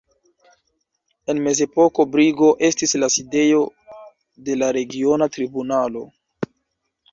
En mezepoko Brigo estis la sidejo de la regiona tribunalo.